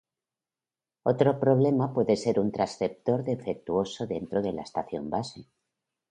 Otro problema puede ser un transceptor defectuoso dentro de la estación base.